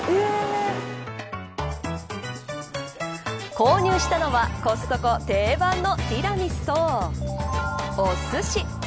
購入したのはコストコ定番のティラミスとおすし。